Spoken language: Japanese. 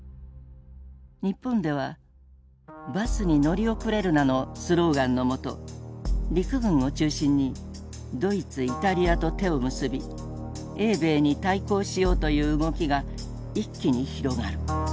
日本では「バスに乗り遅れるな」のスローガンのもと陸軍を中心にドイツイタリアと手を結び英米に対抗しようという動きが一気に広がる。